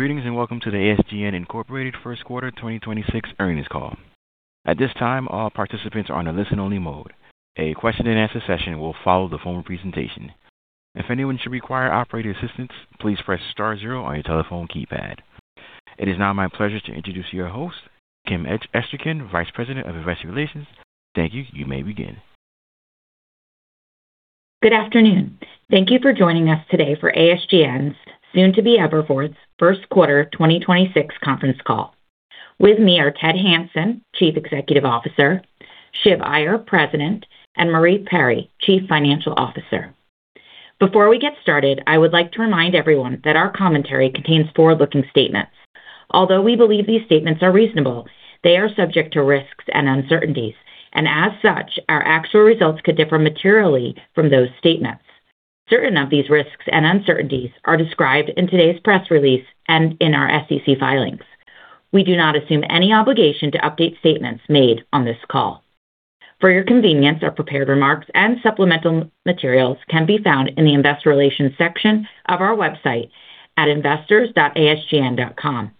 Greetings and welcome to the ASGN Incorporated first quarter 2026 earnings call. At this time, all participants are on a listen-only mode. A question-and-answer session will follow the formal presentation. If anyone should require operator assistance, please press star zero on your telephone keypad. It is now my pleasure to introduce your host, Kimberly Esterkin, Vice President of Investor Relations. Thank you. You may begin. Good afternoon. Thank you for joining us today for ASGN's soon-to-be Everforth first quarter 2026 conference call. With me are Ted Hanson, Chief Executive Officer, Shiv Iyer, President, and Marie Perry, Chief Financial Officer. Before we get started, I would like to remind everyone that our commentary contains forward-looking statements. Although we believe these statements are reasonable, they are subject to risks and uncertainties, and as such, our actual results could differ materially from those statements. Certain of these risks and uncertainties are described in today's press release and in our SEC filings. We do not assume any obligation to update statements made on this call. For your convenience, our prepared remarks and supplemental materials can be found in the investor relations section of our website at investors.asgn.com.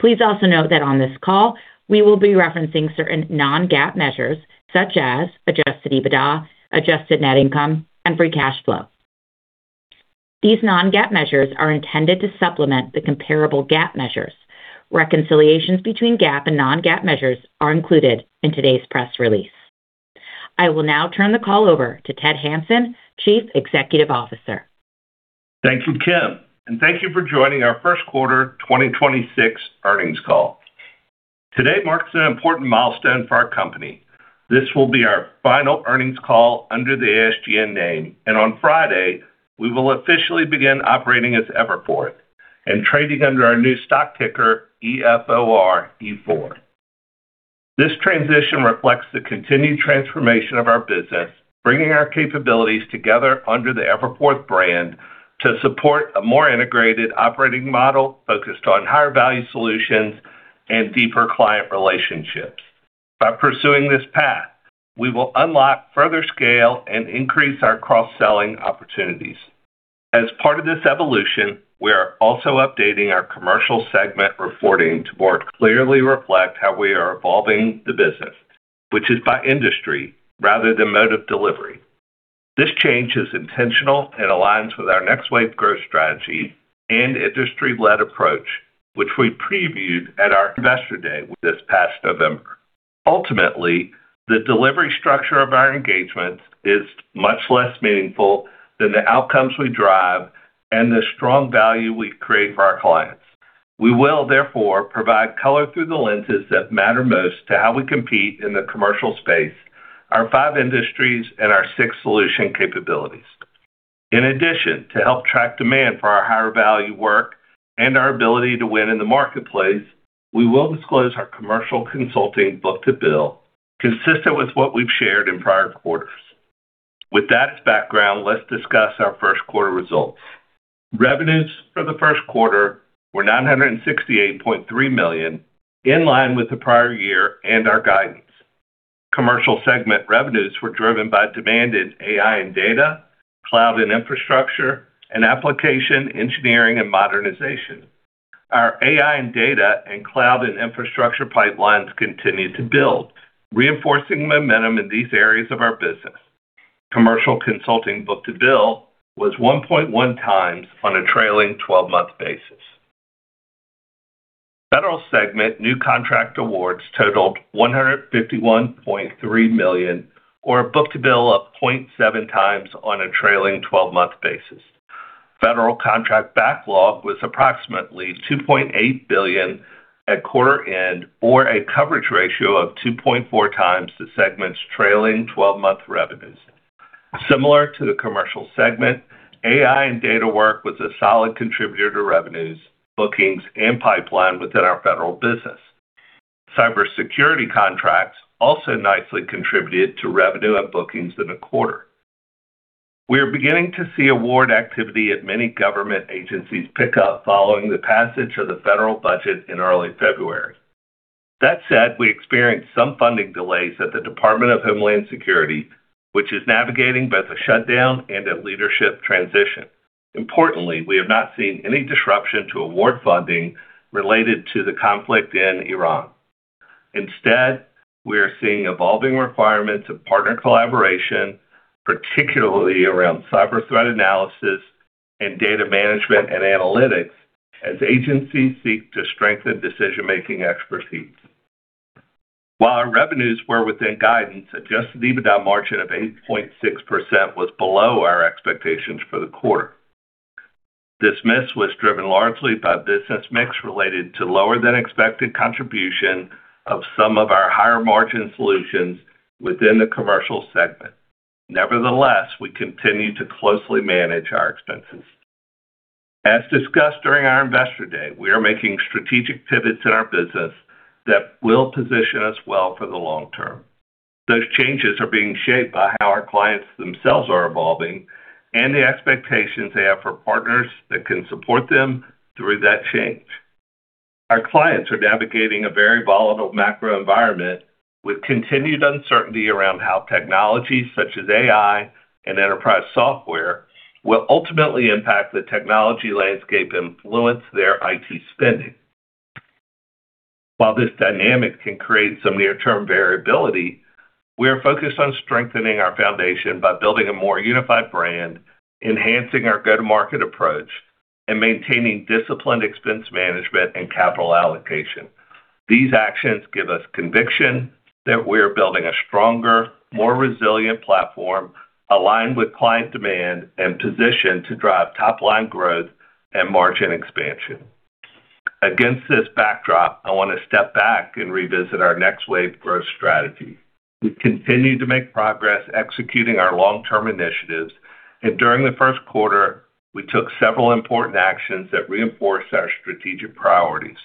Please also note that on this call, we will be referencing certain non-GAAP measures such as Adjusted EBITDA, Adjusted Net Income, and Free Cash Flow. These non-GAAP measures are intended to supplement the comparable GAAP measures. Reconciliations between GAAP and non-GAAP measures are included in today's press release. I will now turn the call over to Ted Hanson, Chief Executive Officer. Thank you, Kim, and thank you for joining our first quarter 2026 earnings call. Today marks an important milestone for our company. This will be our final earnings call under the ASGN name, and on Friday, we will officially begin operating as Everforth and trading under our new stock ticker, EFOR. This transition reflects the continued transformation of our business, bringing our capabilities together under the Everforth brand to support a more integrated operating model focused on higher-value solutions and deeper client relationships. By pursuing this path, we will unlock further scale and increase our cross-selling opportunities. As part of this evolution, we are also updating our commercial segment reporting to more clearly reflect how we are evolving the business, which is by industry rather than mode of delivery. This change is intentional and aligns with our Next Wave Growth Strategy and industry-led approach, which we previewed at our investor day this past November. Ultimately, the delivery structure of our engagements is much less meaningful than the outcomes we drive and the strong value we create for our clients. We will therefore provide color through the lenses that matter most to how we compete in the commercial space, our five industries, and our six solution capabilities. In addition, to help track demand for our higher-value work and our ability to win in the marketplace, we will disclose our commercial consulting book-to-bill consistent with what we've shared in prior quarters. With that as background, let's discuss our first quarter results. Revenues for the first quarter were $968.3 million, in line with the prior year and our guidance. Commercial segment revenues were driven by demand in AI and data, cloud and infrastructure, and application engineering and modernization. Our AI and data and cloud and infrastructure pipelines continued to build, reinforcing momentum in these areas of our business. Commercial consulting book-to-bill was 1.1 times on a trailing twelve-month basis. Federal segment new contract awards totaled $151.3 million or a book-to-bill of 0.7 times on a trailing twelve-month basis. Federal contract backlog was approximately $2.8 billion at quarter end or a coverage ratio of 2.4 times the segment's trailing twelve-month revenues. Similar to the commercial segment, AI and data work was a solid contributor to revenues, bookings, and pipeline within our federal business. Cybersecurity contracts also nicely contributed to revenue and bookings in the quarter. We are beginning to see award activity at many government agencies pick up following the passage of the federal budget in early February. That said, we experienced some funding delays at the Department of Homeland Security, which is navigating both a shutdown and a leadership transition. Importantly, we have not seen any disruption to award funding related to the conflict in Iran. Instead, we are seeing evolving requirements of partner collaboration, particularly around cyber threat analysis and data management and analytics, as agencies seek to strengthen decision-making expertise. While our revenues were within guidance, Adjusted EBITDA margin of 8.6% was below our expectations for the quarter. This miss was driven largely by business mix related to lower than expected contribution of some of our higher margin solutions within the commercial segment. Nevertheless, we continue to closely manage our expenses. As discussed during our investor day, we are making strategic pivots in our business that will position us well for the long term. Those changes are being shaped by how our clients themselves are evolving and the expectations they have for partners that can support them through that change. Our clients are navigating a very volatile macro environment with continued uncertainty around how technologies such as AI and enterprise software will ultimately impact the technology landscape, influence their IT spending. While this dynamic can create some near-term variability, we are focused on strengthening our foundation by building a more unified brand, enhancing our go-to-market approach, and maintaining disciplined expense management and capital allocation. These actions give us conviction that we are building a stronger, more resilient platform, aligned with client demand, and positioned to drive top-line growth and margin expansion. Against this backdrop, I want to step back and revisit our Next Wave Growth Strategy. We've continued to make progress executing our long-term initiatives, and during the first quarter, we took several important actions that reinforce our strategic priorities.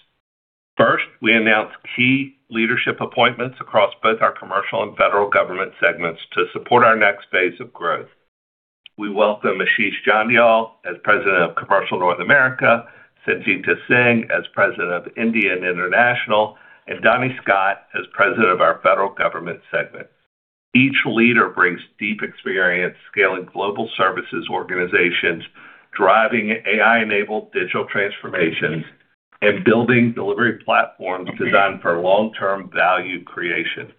First, we announced key leadership appointments across both our commercial and federal government segments to support our next phase of growth. We welcome Ashish Jandial as President of Commercial North America, Sangita Singh as President of India and International, and Donnie Scott as President of our Federal Government segment. Each leader brings deep experience scaling global services organizations, driving AI-enabled digital transformations, and building delivery platforms designed for long-term value creation.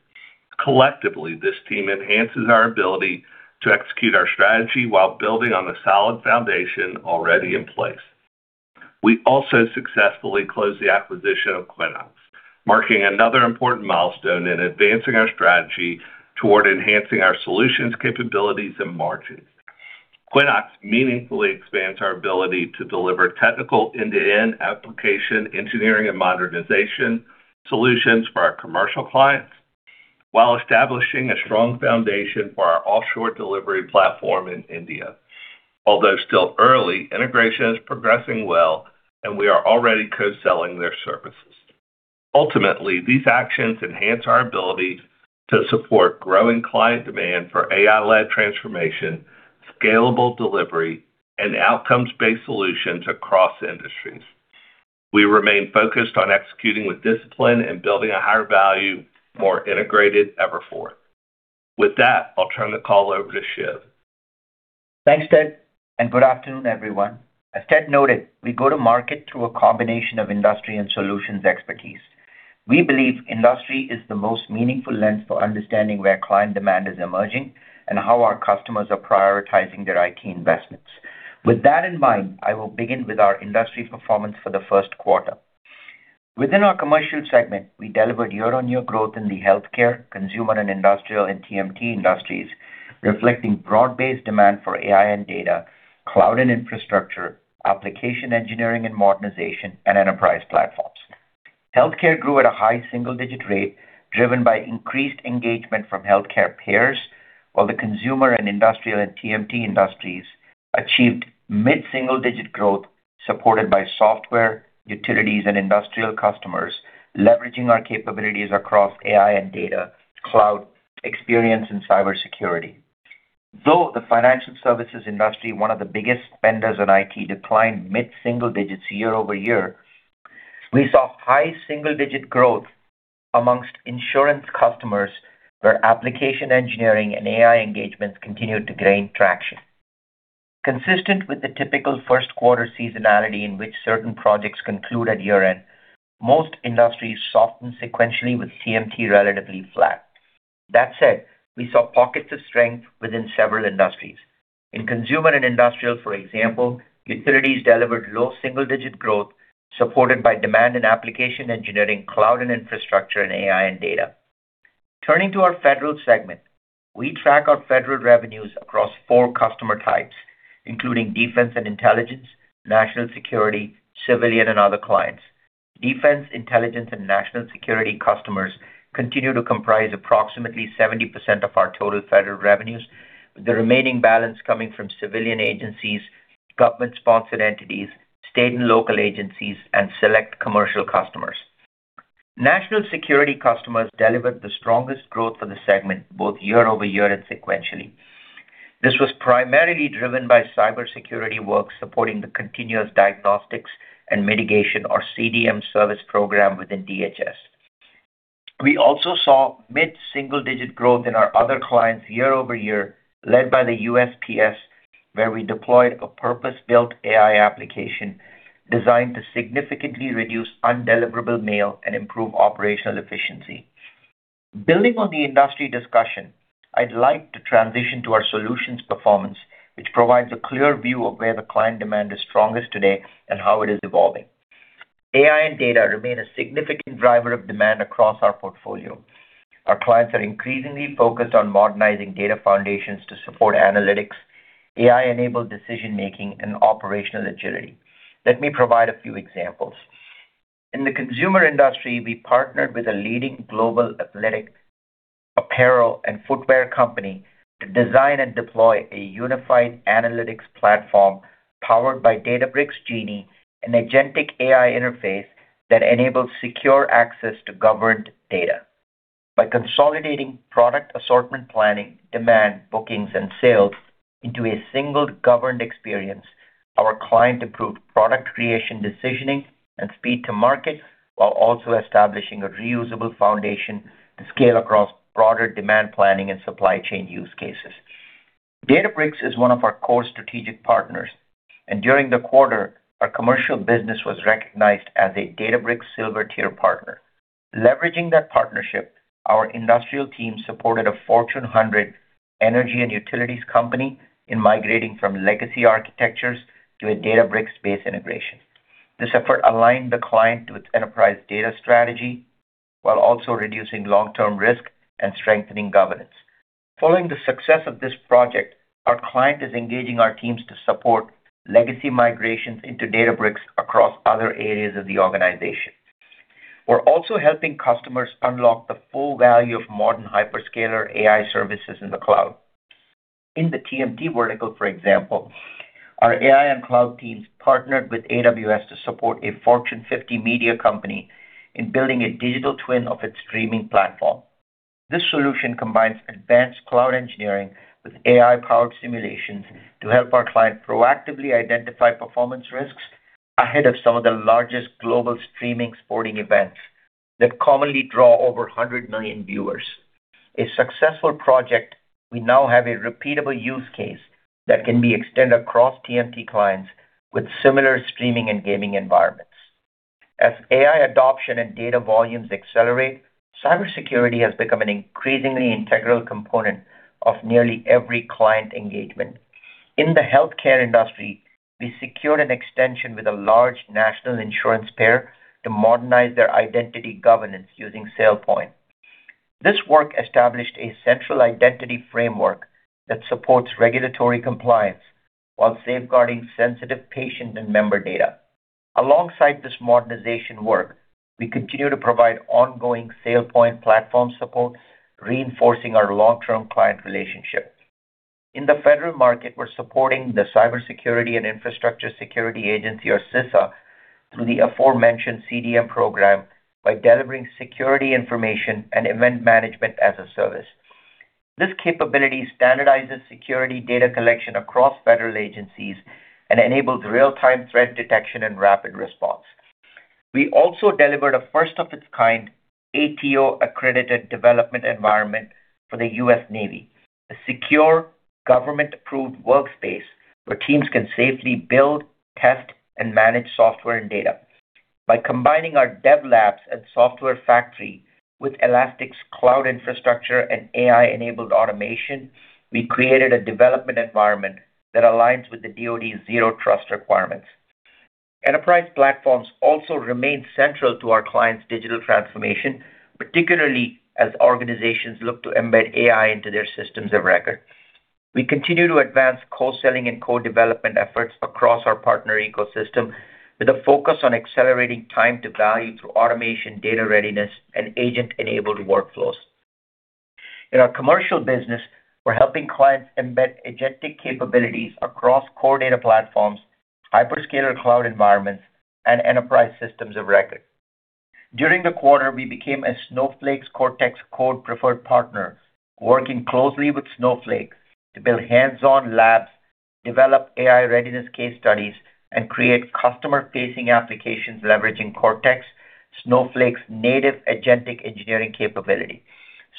Collectively, this team enhances our ability to execute our strategy while building on the solid foundation already in place. We also successfully closed the acquisition of Quinnox, marking another important milestone in advancing our strategy toward enhancing our solutions, capabilities, and margins. Quinnox meaningfully expands our ability to deliver technical end-to-end application engineering and modernization solutions for our commercial clients while establishing a strong foundation for our offshore delivery platform in India. Although still early, integration is progressing well, and we are already co-selling their services. Ultimately, these actions enhance our ability to support growing client demand for AI-led transformation, scalable delivery, and outcomes-based solutions across industries. We remain focused on executing with discipline and building a higher value, more integrated Everforth. With that, I'll turn the call over to Shiv. Thanks, Ted, and good afternoon, everyone. As Ted noted, we go to market through a combination of industry and solutions expertise. We believe industry is the most meaningful lens for understanding where client demand is emerging and how our customers are prioritizing their IT investments. With that in mind, I will begin with our industry performance for the first quarter. Within our commercial segment, we delivered year-on-year growth in the healthcare, consumer and industrial, and TMT industries, reflecting broad-based demand for AI and data, cloud and infrastructure, application engineering and modernization, and enterprise platforms. Healthcare grew at a high single-digit rate, driven by increased engagement from healthcare payers, while the consumer and industrial and TMT industries achieved mid-single digit growth supported by software, utilities, and industrial customers, leveraging our capabilities across AI and data, cloud, experience, and cybersecurity. Though the financial services industry, one of the biggest spenders on IT, declined mid-single digits year-over-year, we saw high single-digit growth among insurance customers, where application engineering and AI engagements continued to gain traction. Consistent with the typical first quarter seasonality in which certain projects conclude at year-end, most industries softened sequentially with TMT relatively flat. That said, we saw pockets of strength within several industries. In consumer and industrial, for example, utilities delivered low double-digit growth supported by demand in application engineering, cloud and infrastructure, and AI and data. Turning to our federal segment, we track our federal revenues across four customer types, including defense and intelligence, national security, civilian, and other clients. Defense, intelligence, and national security customers continue to comprise approximately 70% of our total federal revenues, with the remaining balance coming from civilian agencies, government-sponsored entities, state and local agencies, and select commercial customers. National security customers delivered the strongest growth for the segment, both year-over-year and sequentially. This was primarily driven by cybersecurity work supporting the Continuous Diagnostics and Mitigation, or CDM service program within DHS. We also saw mid-single digit growth in our other clients year-over-year, led by the USPS, where we deployed a purpose-built AI application designed to significantly reduce undeliverable mail and improve operational efficiency. Building on the industry discussion, I'd like to transition to our solutions performance, which provides a clear view of where the client demand is strongest today and how it is evolving. AI and data remain a significant driver of demand across our portfolio. Our clients are increasingly focused on modernizing data foundations to support analytics, AI-enabled decision-making, and operational agility. Let me provide a few examples. In the consumer industry, we partnered with a leading global athletic apparel and footwear company to design and deploy a unified analytics platform powered by Databricks Genie and Agentic AI interface that enables secure access to governed data. By consolidating product assortment planning, demand, bookings, and sales into a single governed experience, our client improved product creation decisioning and speed to market, while also establishing a reusable foundation to scale across broader demand planning and supply chain use cases. Databricks is one of our core strategic partners, and during the quarter, our commercial business was recognized as a Databricks Silver Tier partner. Leveraging that partnership, our industrial team supported a Fortune 100 energy and utilities company in migrating from legacy architectures to a Databricks-based integration. This effort aligned the client with enterprise data strategy while also reducing long-term risk and strengthening governance. Following the success of this project, our client is engaging our teams to support legacy migrations into Databricks across other areas of the organization. We're also helping customers unlock the full value of modern hyperscaler AI services in the cloud. In the TMT vertical, for example, our AI and cloud teams partnered with AWS to support a Fortune 50 media company in building a digital twin of its streaming platform. This solution combines advanced cloud engineering with AI-powered simulations to help our client proactively identify performance risks ahead of some of the largest global streaming sporting events that commonly draw over 100 million viewers. It was a successful project. We now have a repeatable use case that can be extended across TMT clients with similar streaming and gaming environments. As AI adoption and data volumes accelerate, cybersecurity has become an increasingly integral component of nearly every client engagement. In the healthcare industry, we secured an extension with a large national insurance payer to modernize their identity governance using SailPoint. This work established a central identity framework that supports regulatory compliance while safeguarding sensitive patient and member data. Alongside this modernization work, we continue to provide ongoing SailPoint platform support, reinforcing our long-term client relationship. In the federal market, we're supporting the Cybersecurity and Infrastructure Security Agency, or CISA, through the aforementioned CDM program by delivering security information and event management as a service. This capability standardizes security data collection across federal agencies and enables real-time threat detection and rapid response. We also delivered a first-of-its-kind ATO-accredited development environment for the U.S. Navy, a secure, government-approved workspace where teams can safely build, test, and manage software and data. By combining our dev labs and software factory with Elastic's cloud infrastructure and AI-enabled automation, we created a development environment that aligns with the DoD's zero trust requirements. Enterprise platforms also remain central to our clients' digital transformation, particularly as organizations look to embed AI into their systems of record. We continue to advance co-selling and co-development efforts across our partner ecosystem with a focus on accelerating time to value through automation, data readiness, and agent-enabled workflows. In our commercial business, we're helping clients embed agentic capabilities across core data platforms, hyperscaler cloud environments, and enterprise systems of record. During the quarter, we became a Snowflake's Cortex Code preferred partner, working closely with Snowflake to build hands-on labs, develop AI readiness case studies, and create customer-facing applications leveraging Cortex, Snowflake's native agentic engineering capability.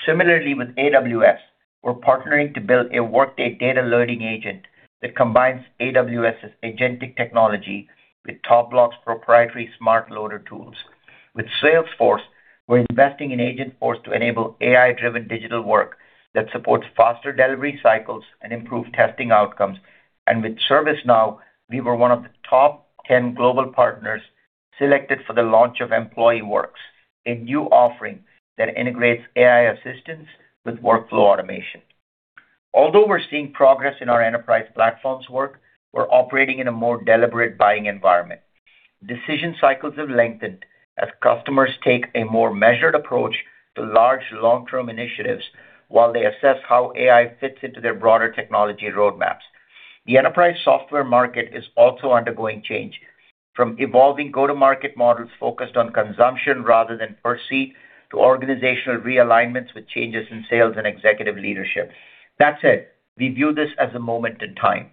Similarly, with AWS, we're partnering to build a Workday data loading agent that combines AWS's agentic technology with TopBloc's proprietary smart loader tools. With Salesforce, we're investing in Agentforce to enable AI-driven digital work that supports faster delivery cycles and improved testing outcomes. With ServiceNow, we were one of the top ten global partners selected for the launch of Employee Works, a new offering that integrates AI assistance with workflow automation. Although we're seeing progress in our enterprise platforms work, we're operating in a more deliberate buying environment. Decision cycles have lengthened as customers take a more measured approach to large long-term initiatives while they assess how AI fits into their broader technology roadmaps. The enterprise software market is also undergoing change, from evolving go-to-market models focused on consumption rather than per seat, to organizational realignments with changes in sales and executive leadership. That said, we view this as a moment in time.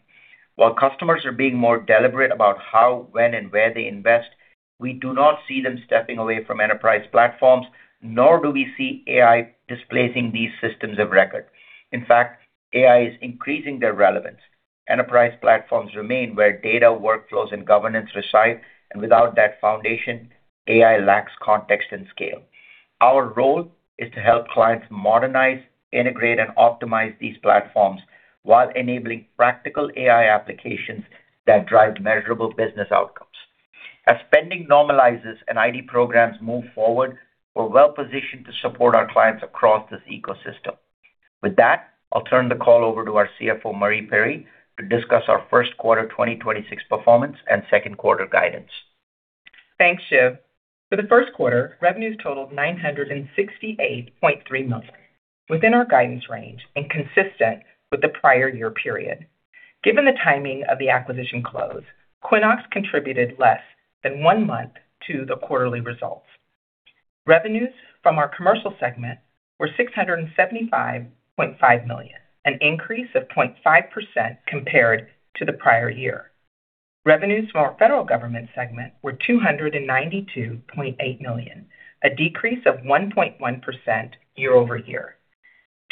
While customers are being more deliberate about how, when, and where they invest, we do not see them stepping away from enterprise platforms, nor do we see AI displacing these systems of record. In fact, AI is increasing their relevance. Enterprise platforms remain where data workflows and governance reside, and without that foundation, AI lacks context and scale. Our role is to help clients modernize, integrate, and optimize these platforms while enabling practical AI applications that drive measurable business outcomes. As spending normalizes and IT programs move forward, we're well-positioned to support our clients across this ecosystem. With that, I'll turn the call over to our CFO, Marie Perry, to discuss our first quarter 2026 performance and second quarter guidance. Thanks, Shiv. For the first quarter, revenues totaled $968.3 million. Within our guidance range and consistent with the prior year period. Given the timing of the acquisition close, Quinnox contributed less than one month to the quarterly results. Revenues from our commercial segment were $675.5 million, an increase of 0.5% compared to the prior year. Revenues from our federal government segment were $292.8 million, a decrease of 1.1% year over year.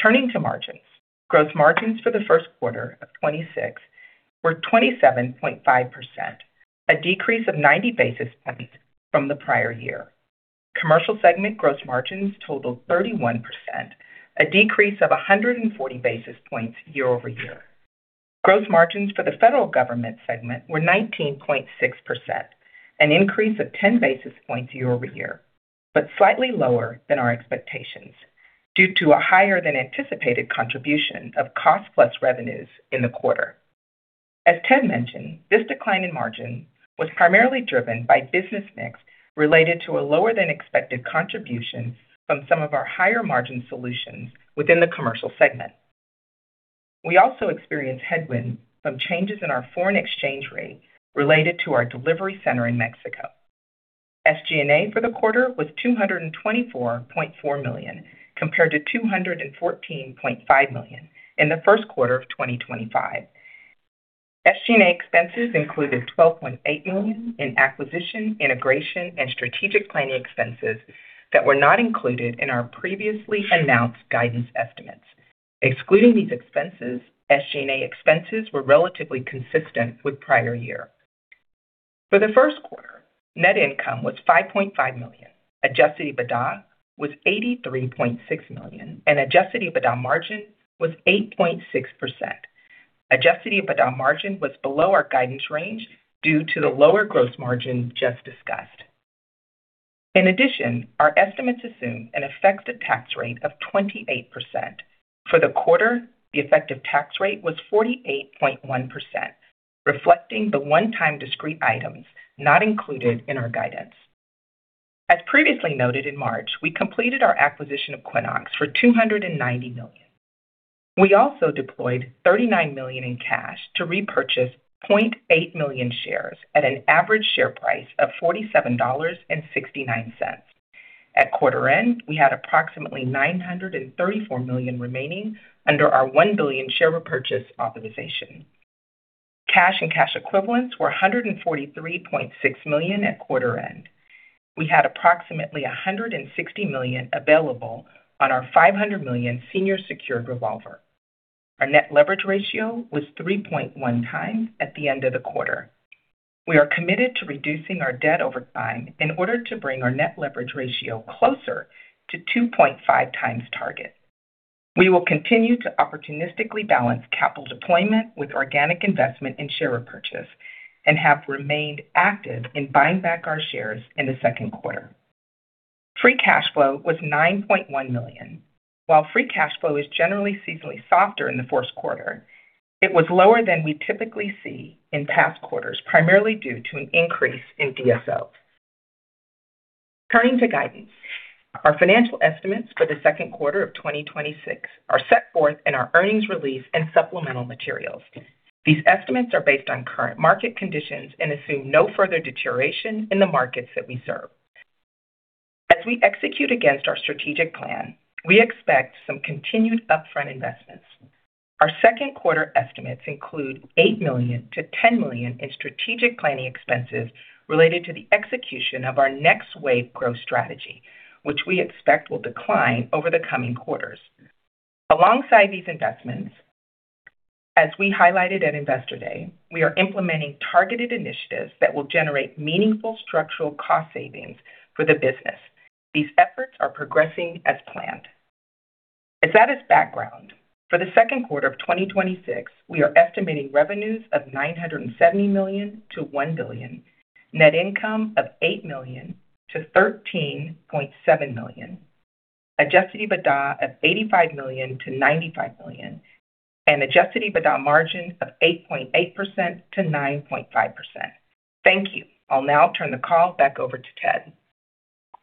Turning to margins, gross margins for the first quarter of 2026 were 27.5%, a decrease of 90 basis points from the prior year. Commercial segment gross margins totaled 31%, a decrease of 140 basis points year over year. Gross margins for the federal government segment were 19.6%, an increase of 10 basis points year-over-year, but slightly lower than our expectations due to a higher than anticipated contribution of cost-plus revenues in the quarter. As Ted mentioned, this decline in margin was primarily driven by business mix related to a lower than expected contribution from some of our higher margin solutions within the commercial segment. We also experienced headwind from changes in our foreign exchange rate related to our delivery center in Mexico. SG&A for the quarter was $224.4 million, compared to $214.5 million in the first quarter of 2025. SG&A expenses included $12.8 million in acquisition, integration, and strategic planning expenses that were not included in our previously announced guidance estimates. Excluding these expenses, SG&A expenses were relatively consistent with prior year. For the first quarter, net income was $5.5 million, Adjusted EBITDA was $83.6 million, and Adjusted EBITDA margin was 8.6%. Adjusted EBITDA margin was below our guidance range due to the lower gross margin just discussed. In addition, our estimates assume an effective tax rate of 28%. For the quarter, the effective tax rate was 48.1%, reflecting the one-time discrete items not included in our guidance. As previously noted in March, we completed our acquisition of Quinnox for $290 million. We also deployed $39 million in cash to repurchase 0.8 million shares at an average share price of $47.69. At quarter end, we had approximately $934 million remaining under our $1 billion share repurchase authorization. Cash and cash equivalents were $143.6 million at quarter end. We had approximately $160 million available on our $500 million senior secured revolver. Our net leverage ratio was 3.1 times at the end of the quarter. We are committed to reducing our debt over time in order to bring our net leverage ratio closer to 2.5 times target. We will continue to opportunistically balance capital deployment with organic investment in share repurchase and have remained active in buying back our shares in the second quarter. Free cash flow was $9.1 million. While free cash flow is generally seasonally softer in the first quarter, it was lower than we typically see in past quarters, primarily due to an increase in DSO. Turning to guidance, our financial estimates for the second quarter of 2026 are set forth in our earnings release and supplemental materials. These estimates are based on current market conditions and assume no further deterioration in the markets that we serve. As we execute against our strategic plan, we expect some continued upfront investments. Our second quarter estimates include $8 million-$10 million in strategic planning expenses related to the execution of our Next Wave Growth Strategy, which we expect will decline over the coming quarters. Alongside these investments, as we highlighted at Investor Day, we are implementing targeted initiatives that will generate meaningful structural cost savings for the business. These efforts are progressing as planned. as background, for the second quarter of 2026, we are estimating revenues of $970 million-$1 billion, net income of $8 million-$13.7 million, Adjusted EBITDA of $85 million-$95 million, and Adjusted EBITDA margin of 8.8%-9.5%. Thank you. I'll now turn the call back over to Ted.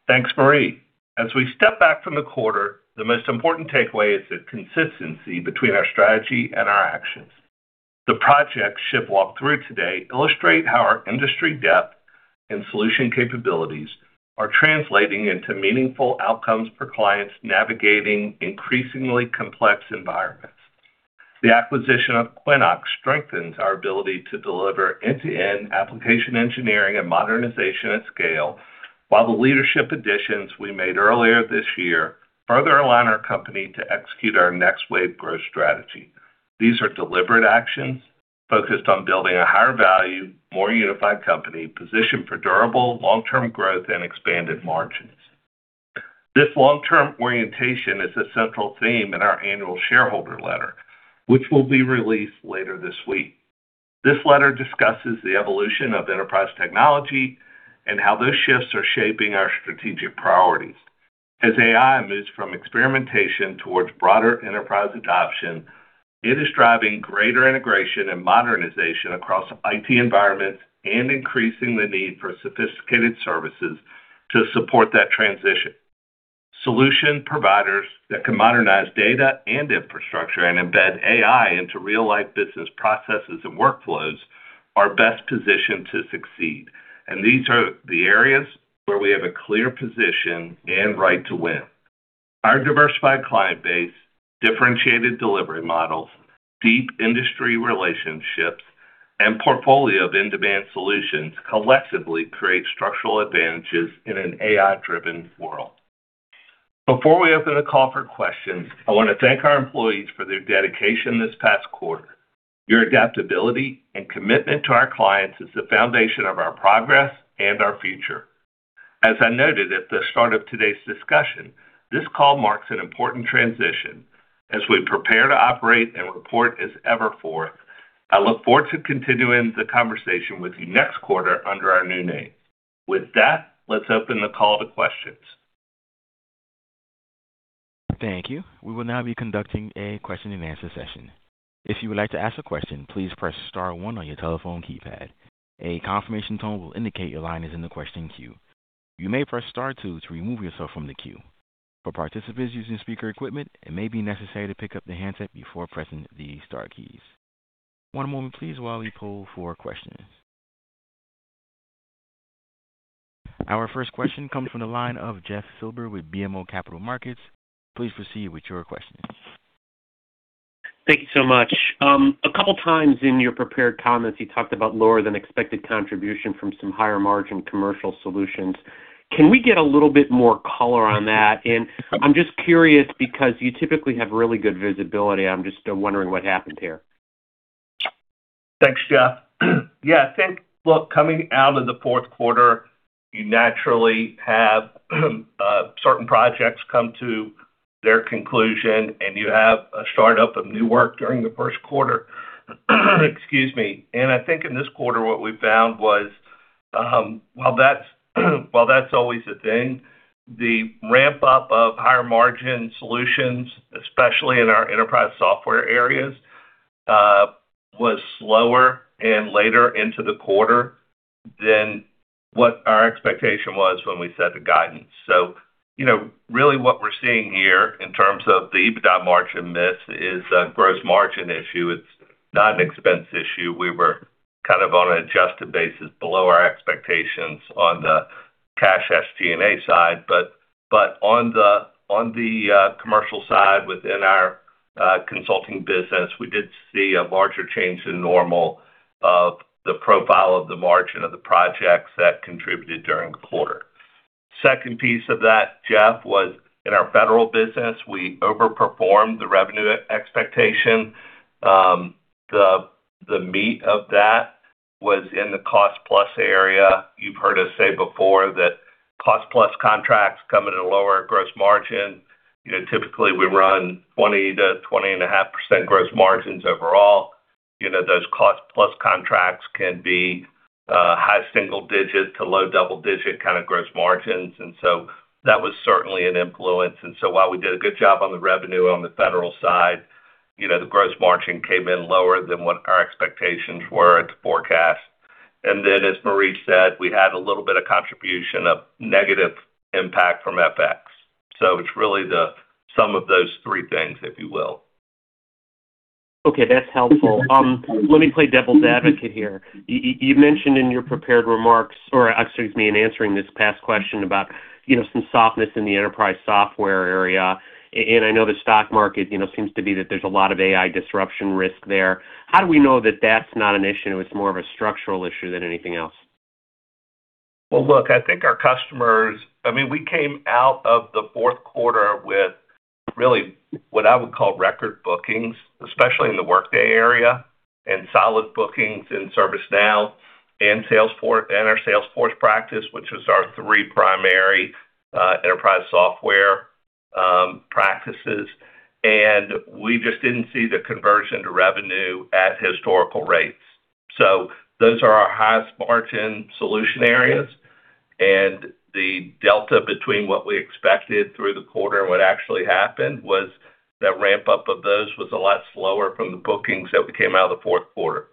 Thanks, Marie. As we step back from the quarter, the most important takeaway is the consistency between our strategy and our actions. The projects Shiv walked through today illustrate how our industry depth and solution capabilities are translating into meaningful outcomes for clients navigating increasingly complex environments. The acquisition of Quinnox strengthens our ability to deliver end-to-end application engineering and modernization at scale, while the leadership additions we made earlier this year further align our company to execute our Next Wave Growth Strategy. These are deliberate actions focused on building a higher value, more unified company positioned for durable long-term growth and expanded margins. This long-term orientation is a central theme in our annual shareholder letter, which will be released later this week. This letter discusses the evolution of enterprise technology and how those shifts are shaping our strategic priorities. As AI moves from experimentation toward broader enterprise adoption. It is driving greater integration and modernization across IT environments and increasing the need for sophisticated services to support that transition. Solution providers that can modernize data and infrastructure and embed AI into real-life business processes and workflows are best positioned to succeed, and these are the areas where we have a clear position and right to win. Our diversified client base, differentiated delivery models, deep industry relationships, and portfolio of in-demand solutions collectively create structural advantages in an AI-driven world. Before we open the call for questions, I want to thank our employees for their dedication this past quarter. Your adaptability and commitment to our clients is the foundation of our progress and our future. As I noted at the start of today's discussion, this call marks an important transition as we prepare to operate and report as Everforth. I look forward to continuing the conversation with you next quarter under our new name. With that, let's open the call to questions. Thank you. We will now be conducting a question-and-answer session. If you would like to ask a question, please press star one on your telephone keypad. A confirmation tone will indicate your line is in the question queue. You may press star two to remove yourself from the queue. For participants using speaker equipment, it may be necessary to pick up the handset before pressing the star keys. One moment please, while we poll for questions. Our first question comes from the line of Jeffrey Silber with BMO Capital Markets. Please proceed with your questions. Thank you so much. A couple times in your prepared comments, you talked about lower than expected contribution from some higher-margin commercial solutions. Can we get a little bit more color on that? I'm just curious because you typically have really good visibility. I'm just wondering what happened there. Thanks, Jeff. Yeah, I think, look, coming out of the fourth quarter, you naturally have certain projects come to their conclusion, and you have a start-up of new work during the first quarter. I think in this quarter, what we found was, while that's always a thing, the ramp-up of higher-margin solutions, especially in our enterprise software areas, was slower and later into the quarter than what our expectation was when we set the guidance. Really what we're seeing here in terms of the EBITDA margin miss is a gross margin issue. It's not an expense issue. We were kind of on an adjusted basis below our expectations on the cash SG&A side. On the commercial side, within our consulting business, we did see a larger change than normal of the profile of the margin of the projects that contributed during the quarter. Second piece of that, Jeff, was in our federal business. We overperformed the revenue expectation. The meat of that was in the cost-plus area. You've heard us say before that cost-plus contracts come at a lower gross margin. Typically, we run 20%-20.5% gross margins overall. Those cost-plus contracts can be high single-digit to low double-digit kind of gross margins. That was certainly an influence. While we did a good job on the revenue on the federal side, the gross margin came in lower than what our expectations were at the forecast. As Marie said, we had a little bit of contribution of negative impact from FX. It's really the sum of those three things, if you will. Okay, that's helpful. Let me play devil's advocate here. You mentioned in your prepared remarks, or excuse me, in answering this past question about some softness in the enterprise software area, and I know the stock market seems to be that there's a lot of AI disruption risk there. How do we know that that's not an issue? It's more of a structural issue than anything else. Well, look, I think our customers, I mean, we came out of the fourth quarter with really what I would call record bookings, especially in the Workday area, and solid bookings in ServiceNow and our Salesforce practice, which is our three primary enterprise software practices. We just didn't see the conversion to revenue at historical rates. Those are our highest-margin solution areas. The delta between what we expected through the quarter and what actually happened was that ramp-up of those was a lot slower from the bookings that we came out of the fourth quarter.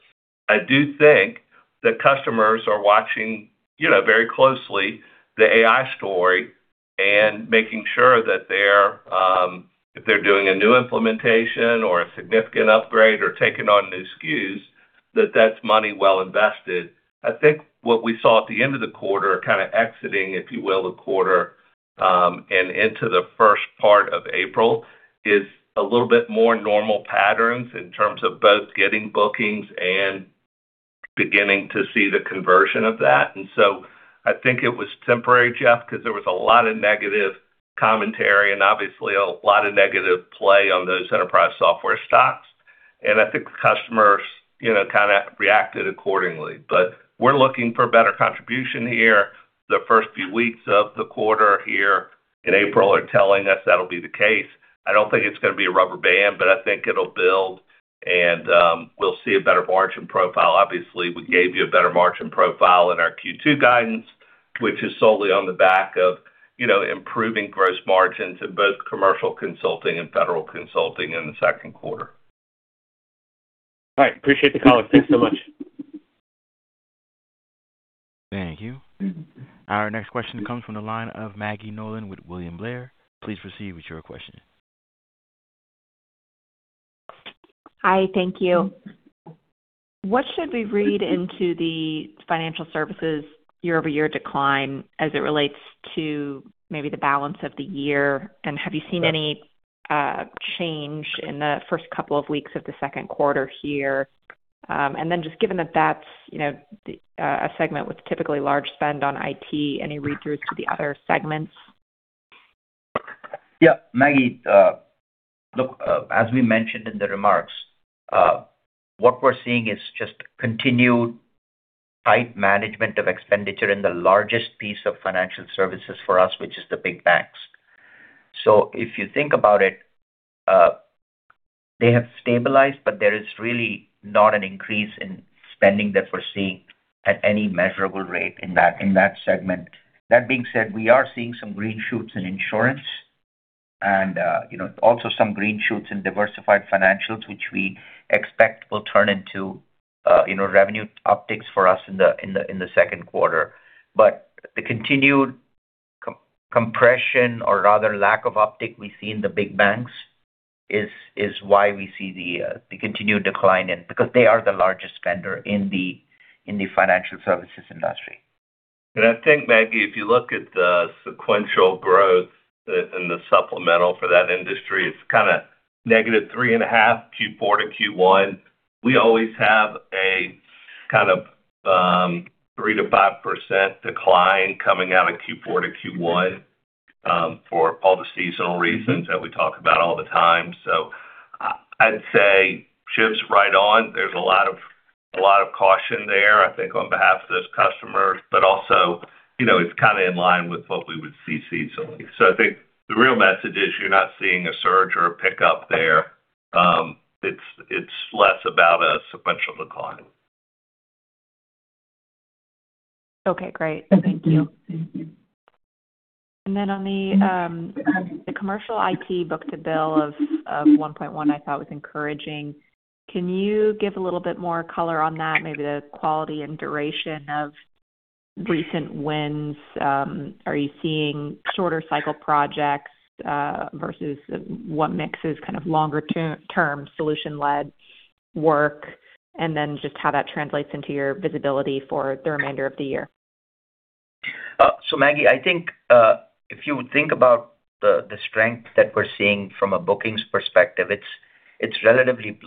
I do think that customers are watching very closely the AI story and making sure that if they're doing a new implementation or a significant upgrade or taking on new SKUs, that that's money well invested. I think what we saw at the end of the quarter, kind of exiting, if you will, the quarter, and into the first part of April, is a little bit more normal patterns in terms of both getting bookings and beginning to see the conversion of that. I think it was temporary, Jeff, because there was a lot of negative commentary and obviously a lot of negative play on those enterprise software stocks. I think customers kind of reacted accordingly. We're looking for better contribution here. The first few weeks of the quarter here in April are telling us that'll be the case. I don't think it's going to be a rubber band, but I think it'll build, and we'll see a better margin profile. Obviously, we gave you a better margin profile in our Q2 guidance. Which is solely on the back of improving gross margins in both commercial consulting and federal consulting in the second quarter. All right. Appreciate the color. Thanks so much. Thank you. Our next question comes from the line of Maggie Nolan with William Blair. Please proceed with your question. Hi. Thank you. What should we read into the financial services year-over-year decline as it relates to maybe the balance of the year? Have you seen any change in the first couple of weeks of the second quarter here? Just given that that's a segment with typically large spend on IT, any read-through to the other segments? Yeah. Maggie, look, as we mentioned in the remarks, what we're seeing is just continued tight management of expenditure in the largest piece of financial services for us, which is the big banks. If you think about it, they have stabilized, but there is really not an increase in spending that we're seeing at any measurable rate in that segment. That being said, we are seeing some green shoots in insurance and also some green shoots in diversified financials, which we expect will turn into revenue upticks for us in the second quarter. The continued compression or rather lack of uptick we see in the big banks is why we see the continued decline, because they are the largest spender in the financial services industry. I think, Maggie, if you look at the sequential growth in the supplemental for that industry, it's kind of -3.5 Q4 to Q1. We always have a kind of 3%-5% decline coming out of Q4 to Q1 for all the seasonal reasons that we talk about all the time. I'd say Shiv's right on. There's a lot of caution there, I think, on behalf of those customers. Also, it's kind of in line with what we would see seasonally. I think the real message is you're not seeing a surge or a pickup there. It's less about a sequential decline. Okay, great. Thank you. On the commercial IT book-to-bill of 1.1 I thought was encouraging. Can you give a little bit more color on that, maybe the quality and duration of recent wins? Are you seeing shorter cycle projects versus what mix is kind of longer-term solution-led work? Just how that translates into your visibility for the remainder of the year. Maggie, I think if you think about the strength that we're seeing from a bookings perspective, it's relatively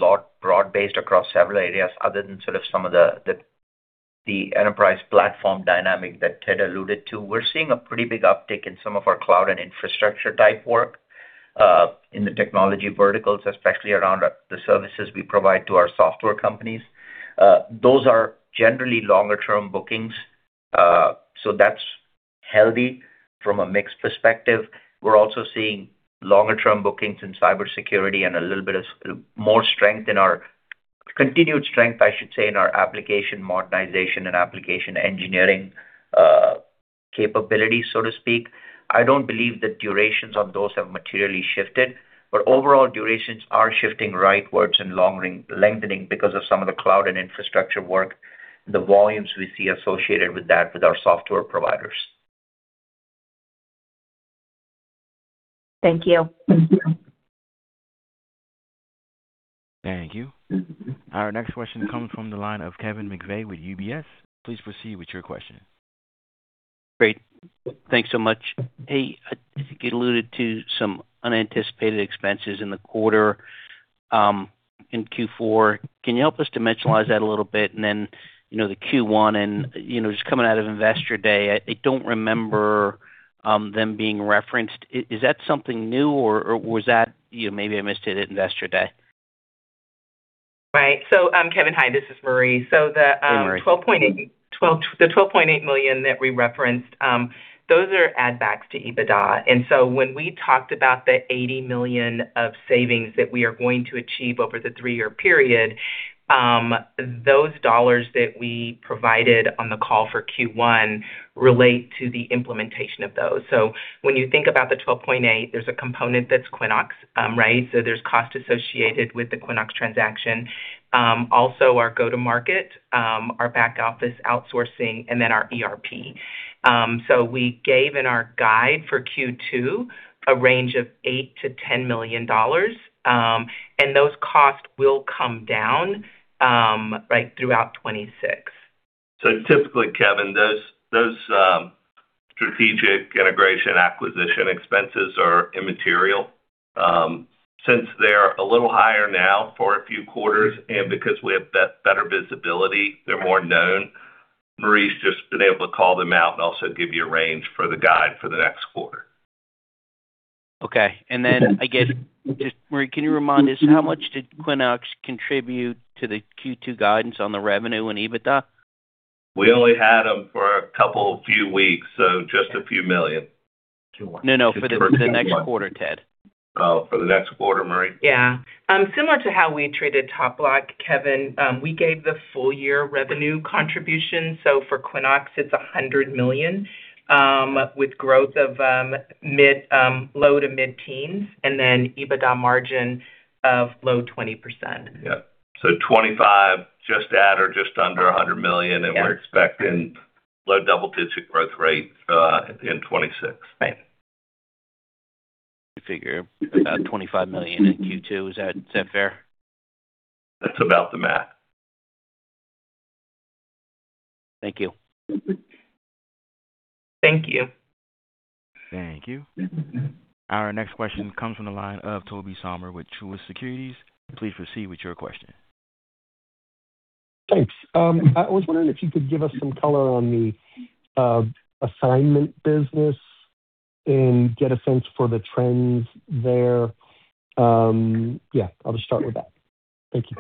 broad-based across several areas other than sort of some of the enterprise platform dynamic that Ted alluded to. We're seeing a pretty big uptick in some of our cloud and infrastructure type work in the technology verticals, especially around the services we provide to our software companies. Those are generally longer-term bookings. That's healthy from a mix perspective. We're also seeing longer-term bookings in cybersecurity and a little bit of more strength in our continued strength, I should say, in our application modernization and application engineering capabilities, so to speak. I don't believe the durations on those have materially shifted, but overall durations are shifting rightwards and lengthening because of some of the cloud and infrastructure work, the volumes we see associated with that with our software providers. Thank you. Thank you. Our next question comes from the line of Kevin McVeigh with UBS. Please proceed with your question. Great. Thanks so much. Hey, I think you alluded to some unanticipated expenses in the quarter in Q4. Can you help us dimensionalize that a little bit? The Q1 and just coming out of Investor Day, I don't remember them being referenced. Is that something new, or was that maybe I missed it at Investor Day? Right. Kevin, hi, this is Marie. Hey, Marie. The $12.8 million that we referenced, those are add backs to EBITDA. When we talked about the $80 million of savings that we are going to achieve over the three-year period, those dollars that we provided on the call for Q1 relate to the implementation of those. When you think about the $12.8 million, there's a component that's Quinnox, right? There's cost associated with the Quinnox transaction. Also our go-to-market, our back office outsourcing, and then our ERP. We gave in our guide for Q2 a range of $8 million-$10 million, and those costs will come down right throughout 2026. Typically, Kevin, those strategic integration acquisition expenses are immaterial. Since they're a little higher now for a few quarters and because we have better visibility, they're more known. Marie's just been able to call them out and also give you a range for the guide for the next quarter. Okay. I guess, just Marie, can you remind us how much did Quinnox contribute to the Q2 guidance on the revenue and EBITDA? We only had them for a couple few weeks, so just a few $ million. No, for the next quarter, Ted. Oh, for the next quarter, Perry? Yeah. Similar to how we treated TopBloc, Kevin, we gave the full year revenue contribution. For Quinnox it's $100 million, with growth of low to mid-teens% and then EBITDA margin of low 20%. 25 just at or just under $100 million. Yes. We're expecting low double-digit growth rate in 2026. Right. Figure about $25 million in Q2. Is that fair? That's about the math. Thank you. Thank you. Thank you. Our next question comes from the line of Tobey Sommer with Truist Securities. Please proceed with your question. Thanks. I was wondering if you could give us some color on the assignment business and get a sense for the trends there. Yeah, I'll just start with that. Thank you.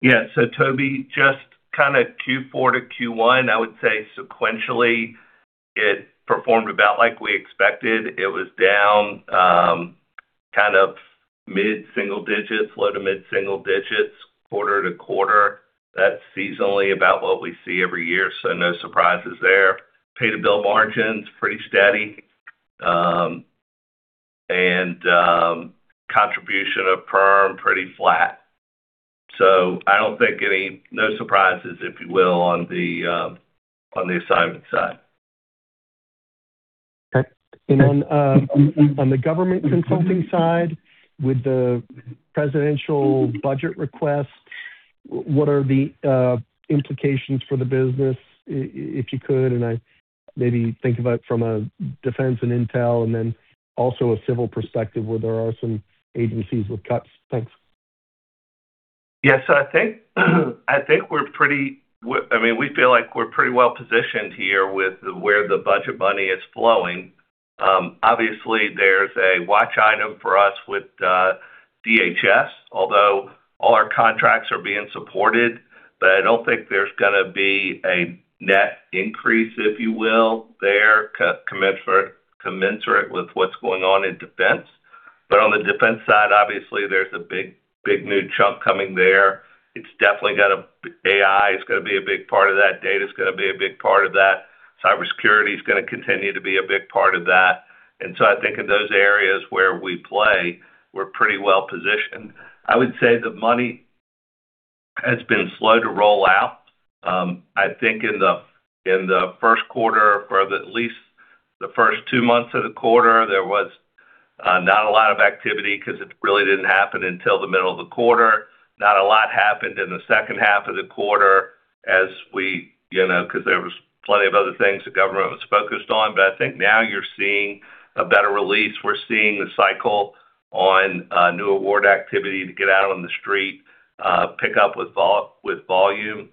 Yeah. Tobey, just kind of Q4 to Q1, I would say sequentially, it performed about like we expected. It was down kind of mid-single digits, low to mid-single digits quarter to quarter. That's seasonally about what we see every year, so no surprises there. Pay/bill margins, pretty steady. Contribution from perm, pretty flat. I don't think any. No surprises, if you will, on the assignment side. Okay. On the government consulting side, with the presidential budget request, what are the implications for the business, if you could? Maybe think about from a defense and intel and then also a civil perspective where there are some agencies with cuts. Thanks. Yes. I think we feel like we're pretty well-positioned here with where the budget money is flowing. Obviously, there's a watch item for us with DHS, although all our contracts are being supported, but I don't think there's gonna be a net increase, if you will, there, commensurate with what's going on in defense. On the defense side, obviously there's a big, big new chunk coming there. AI is gonna be a big part of that, data is gonna be a big part of that. Cybersecurity is gonna continue to be a big part of that. I think in those areas where we play, we're pretty well-positioned. I would say the money has been slow to roll out. I think in the first quarter, for at least the first two months of the quarter, there was not a lot of activity because it really didn't happen until the middle of the quarter. Not a lot happened in the second half of the quarter, because there was plenty of other things the government was focused on. I think now you're seeing a better release. We're seeing the cycle on new award activity to get out on the street, pick up with volume.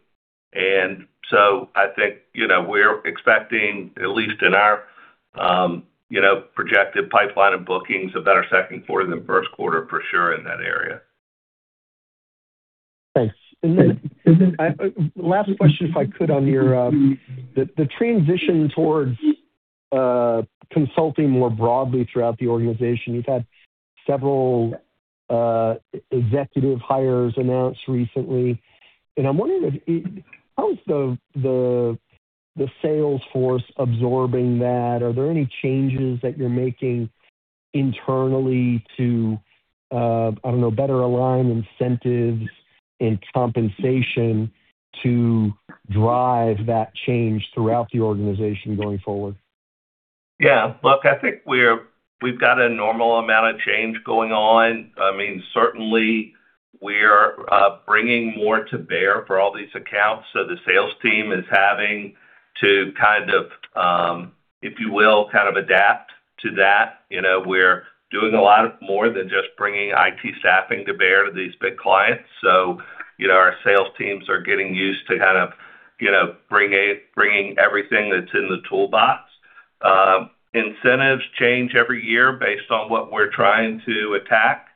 I think we're expecting, at least in our projected pipeline of bookings, a better second quarter than first quarter for sure in that area. Thanks. Last question, if I could, on the transition towards consulting more broadly throughout the organization. You've had several executive hires announced recently, and I'm wondering, how is the sales force absorbing that? Are there any changes that you're making internally to, I don't know, better align incentives and compensation to drive that change throughout the organization going forward? Yeah. Look, I think we've got a normal amount of change going on. Certainly, we're bringing more to bear for all these accounts. The sales team is having to, if you will, kind of adapt to that. We're doing a lot more than just bringing IT staffing to bear to these big clients. Our sales teams are getting used to bringing everything that's in the toolbox. Incentives change every year based on what we're trying to attack.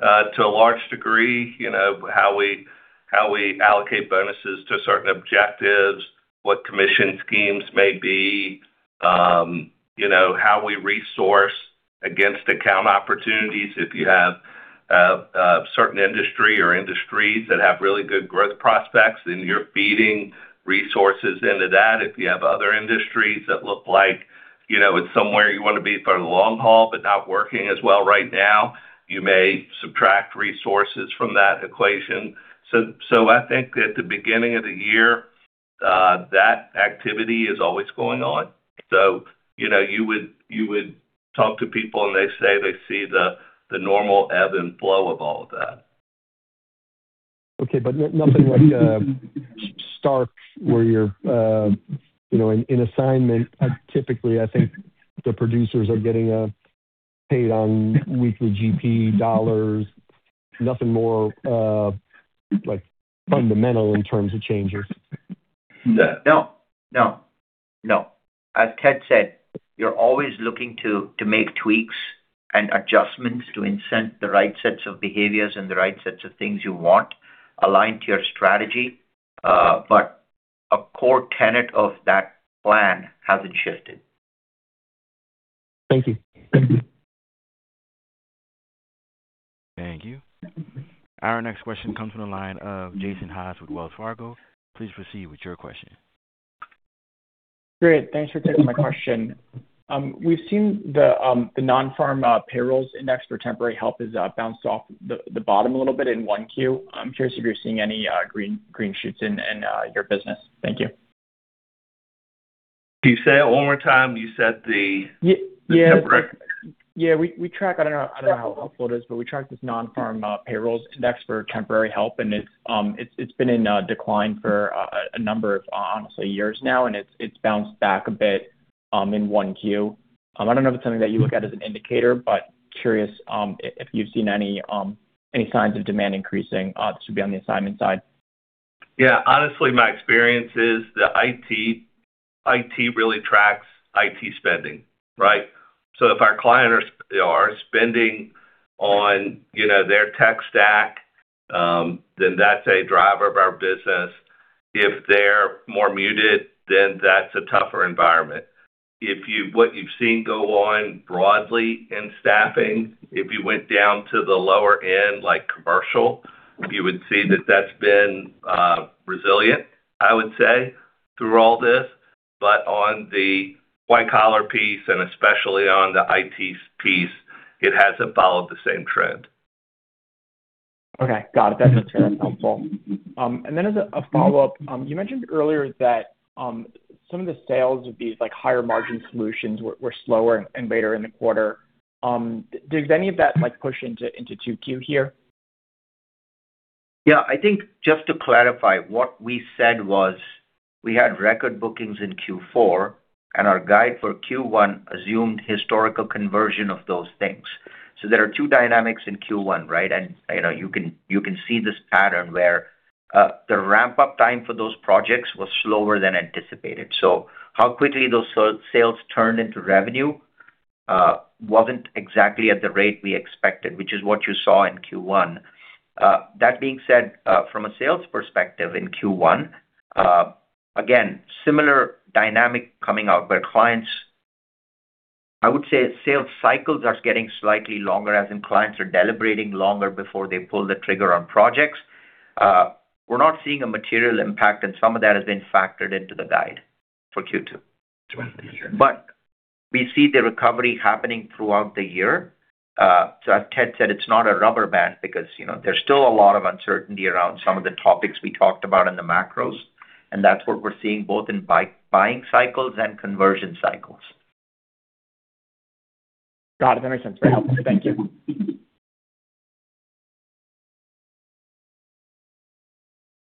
To a large degree, how we allocate bonuses to certain objectives, what commission schemes may be, how we resource against account opportunities. If you have a certain industry or industries that have really good growth prospects, then you're feeding resources into that. If you have other industries that look like it's somewhere you want to be for the long haul, but not working as well right now, you may subtract resources from that equation. I think at the beginning of the year, that activity is always going on. You would talk to people and they say they see the normal ebb and flow of all of that. Okay. Nothing like stark where you're in assignment, typically, I think the producers are getting paid on weekly GP dollars. Nothing more fundamental in terms of changes. No. No. As Ted said, you're always looking to make tweaks and adjustments to incent the right sets of behaviors and the right sets of things you want aligned to your strategy. A core tenet of that plan hasn't shifted. Thank you. Thank you. Our next question comes from the line of Jason Haas with Wells Fargo. Please proceed with your question. Great. Thanks for taking my question. We've seen the non-farm payrolls index for temporary help has bounced off the bottom a little bit in 1Q. I'm curious if you're seeing any green shoots in your business. Thank you. Can you say it one more time? You said Yeah. The temporary. Yeah. I don't know how helpful it is, but we track this non-farm payrolls index for temporary help, and it's been in decline for a number of, honestly, years now, and it's bounced back a bit in 1Q. I don't know if it's something that you look at as an indicator, but curious if you've seen any signs of demand increasing to be on the assignment side? Yeah. Honestly, my experience is that IT really tracks IT spending, right? If our clients are spending on their tech stack, then that's a driver of our business. If they're more muted, then that's a tougher environment. If what you've seen go on broadly in staffing, if you went down to the lower end, like commercial, you would see that that's been resilient, I would say, through all this, but on the white collar piece, and especially on the IT piece, it hasn't followed the same trend. Okay. Got it. That's helpful. As a follow-up, you mentioned earlier that some of the sales of these higher margin solutions were slower and later in the quarter. Does any of that push into 2Q here? Yeah. I think just to clarify, what we said was we had record bookings in Q4, and our guide for Q1 assumed historical conversion of those things. There are two dynamics in Q1, right? You can see this pattern where the ramp-up time for those projects was slower than anticipated. How quickly those sales turned into revenue wasn't exactly at the rate we expected, which is what you saw in Q1. That being said, from a sales perspective in Q1, again, similar dynamic coming out where clients, I would say, sales cycles are getting slightly longer, as in, clients are deliberating longer before they pull the trigger on projects. We're not seeing a material impact, and some of that has been factored into the guide for Q2. We see the recovery happening throughout the year. As Ted said, it's not a rubber band because there's still a lot of uncertainty around some of the topics we talked about in the macros, and that's what we're seeing both in buying cycles and conversion cycles. Got it. That makes sense. Very helpful. Thank you.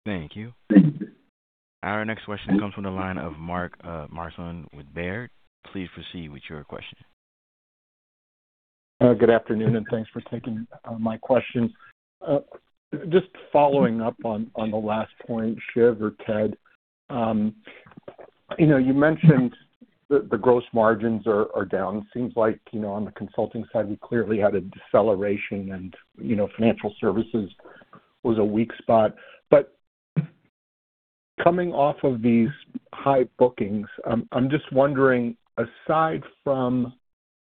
Thank you. Thank you. Our next question comes from the line of Mark Marcon with Baird. Please proceed with your question. Good afternoon, and thanks for taking my question. Just following up on the last point, Shiv or Ted, you mentioned the gross margins are down. It seems like on the consulting side, we clearly had a deceleration, and financial services was a weak spot. Coming off of these high bookings, I'm just wondering,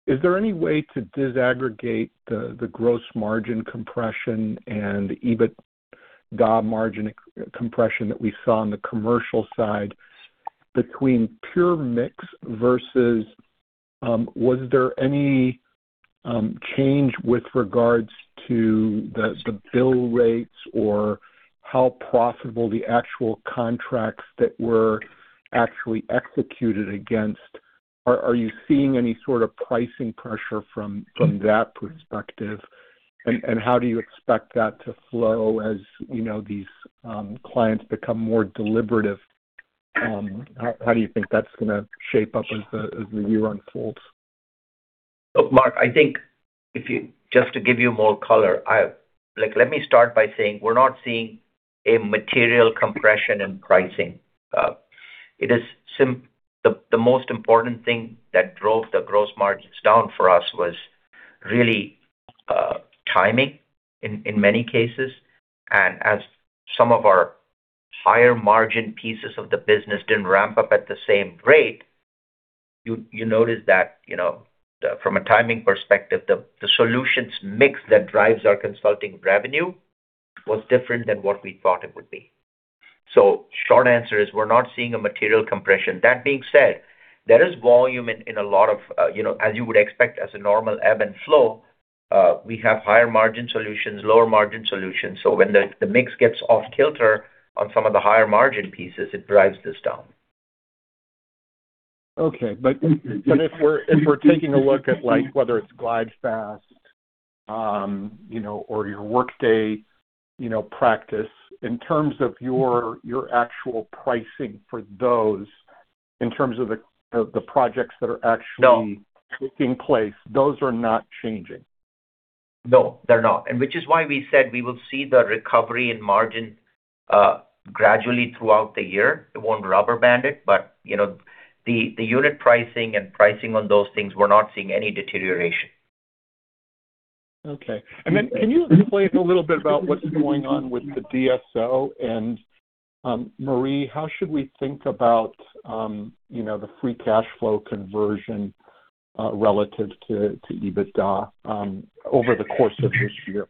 is there any way to disaggregate the gross margin compression and EBITDA margin compression that we saw on the commercial side between pure mix versus, was there any change with regards to the bill rates or how profitable the actual contracts that were actually executed against? Are you seeing any sort of pricing pressure from that perspective, and how do you expect that to flow as these clients become more deliberative? How do you think that's going to shape up as the year unfolds? Look, Mark, I think just to give you more color, let me start by saying we're not seeing a material compression in pricing. The most important thing that drove the gross margins down for us was really timing in many cases. As some of our higher margin pieces of the business didn't ramp up at the same rate, you notice that from a timing perspective, the solutions mix that drives our consulting revenue was different than what we thought it would be. Short answer is we're not seeing a material compression. That being said, there is volume in a lot of, as you would expect as a normal ebb and flow, we have higher margin solutions, lower margin solutions. When the mix gets off-kilter on some of the higher margin pieces, it drives this down. Okay. If we're taking a look at whether it's GlideFast or your Workday practice, in terms of your actual pricing for those, in terms of the projects that are actually- No taking place. Those are not changing. No, they're not, and which is why we said we will see the recovery in margin gradually throughout the year. It won't rubber band it, but the unit pricing and pricing on those things, we're not seeing any deterioration. Okay. Can you explain a little bit about what's going on with the DSO? Marie, how should we think about the free cash flow conversion relative to EBITDA over the course of this year?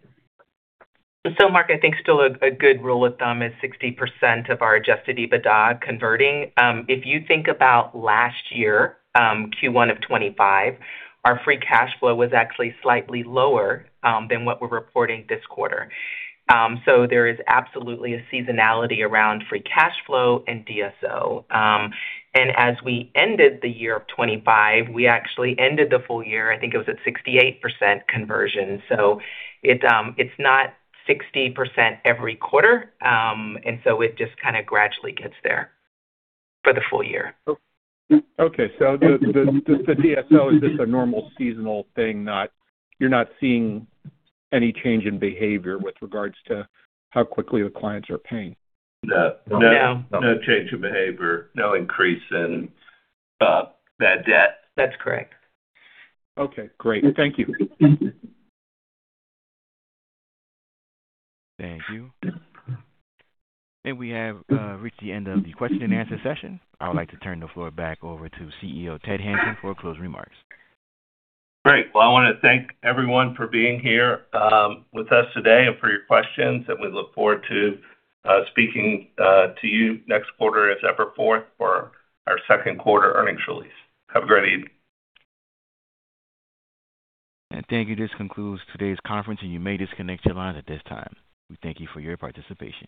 Mark, I think still a good rule of thumb is 60% of our Adjusted EBITDA converting. If you think about last year, Q1 of 2025, our Free Cash Flow was actually slightly lower than what we're reporting this quarter. There is absolutely a seasonality around Free Cash Flow and DSO. As we ended the year of 2025, we actually ended the full year, I think it was at 68% conversion. It's not 60% every quarter, and so it just gradually gets there for the full year. Okay. The DSO is just a normal seasonal thing, you're not seeing any change in behavior with regards to how quickly the clients are paying? No. No. No change in behavior, no increase in bad debt. That's correct. Okay, great. Thank you. Thank you. We have reached the end of the question and answer session. I would like to turn the floor back over to CEO Ted Hanson for closing remarks. Great. Well, I want to thank everyone for being here with us today and for your questions, and we look forward to speaking to you next quarter, September fourth, for our second quarter earnings release. Have a great evening. Thank you. This concludes today's conference, and you may disconnect your lines at this time. We thank you for your participation.